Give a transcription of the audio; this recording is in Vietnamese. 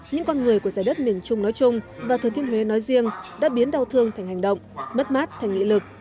những con người của giải đất miền trung nói chung và thừa thiên huế nói riêng đã biến đau thương thành hành động mất mát thành nghị lực